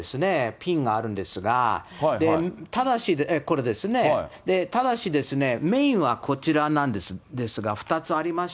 ピンがあるんですが、ただし、これですね、ただしですね、メインはこちらなんですが、２つあります。